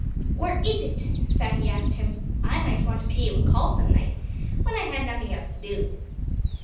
"Where is it!" Fatty asked him. "I might want to pay you a call some night when I had nothing else to do."